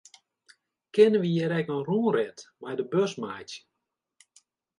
Kinne wy hjir ek in rûnrit mei de bus meitsje?